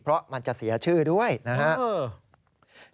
เพราะมันจะเสียชื่อด้วยนะครับ